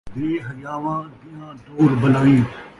بے حیاواں دیاں دور بلائیں